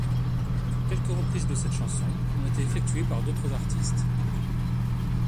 Quelques reprises de cette chanson ont été effectuées par d'autres artistes.